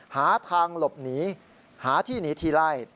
หาทางหลบหนีหาที่หนีทีไล่